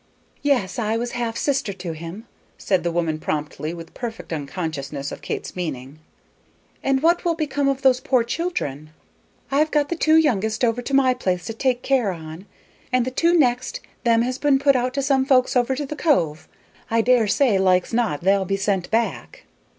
"Yes. I was half sister to him," said the woman, promptly, with perfect unconsciousness of Kate's meaning. "And what will become of those poor children?" "I've got the two youngest over to my place to take care on, and the two next them has been put out to some folks over to the cove. I dare say like's not they'll be sent back."